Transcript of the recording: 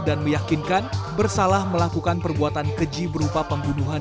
dan meyakinkan bersalah melakukan perbuatan keji berupa pembunuhan